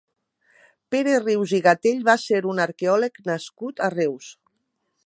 Pere Rius i Gatell va ser un arqueòleg nascut a Reus.